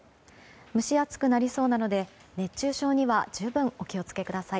蒸し暑くなりそうなので熱中症には十分お気を付けください。